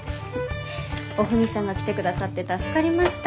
おフミさんが来てくださって助かりました。